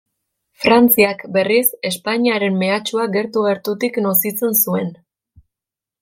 Frantziak, berriz, Espainiaren mehatxua gertu-gertutik nozitzen zuen.